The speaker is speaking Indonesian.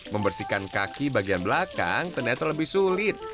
membersihkan kaki bagian belakang ternyata lebih sulit